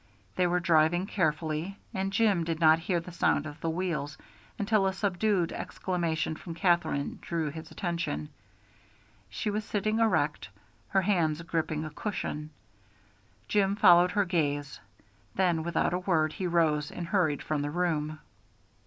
They were driving carefully, and Jim did not hear the sound of the wheels until a subdued exclamation from Katherine drew his attention. She was sitting erect, her hands gripping a cushion. Jim followed her gaze, then without a word he rose and hurried from the room.